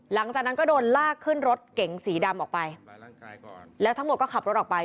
หลังจากนั้นก็โดนลากขึ้นรถเก๋งสีดำออกไปแล้วทั้งหมดก็ขับรถออกไป